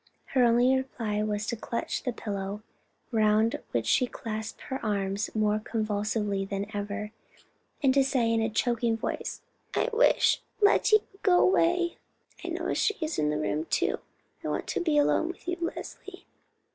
her only reply was to clutch the pillow, round which she had clasped her arms, more convulsively than ever, and to say in a choking voice, "I wish Lettie would go away. I know she is in the room too. I want to be alone with you, Leslie."